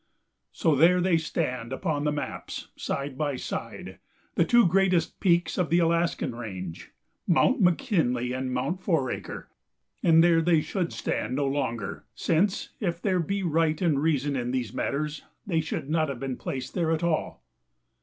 So there they stand upon the maps, side by side, the two greatest peaks of the Alaskan range, "Mount McKinley" and "Mount Foraker." And there they should stand no longer, since, if there be right and reason in these matters, they should not have been placed there at all.